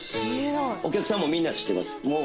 お客さんも知ってます。